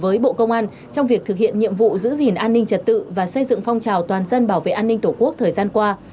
với bộ công an trong việc thực hiện nhiệm vụ giữ gìn an ninh trật tự và xây dựng phong trào toàn dân bảo vệ an ninh tổ quốc thời gian qua